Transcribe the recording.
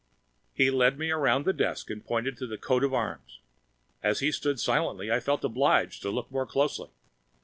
He led me around the desk and pointed to the Coat of Arms. As He stood silent, I felt obliged to look more closely.